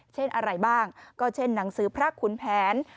เช่นอะไรบ้างก็เช่นหนังสือพระขุนแผน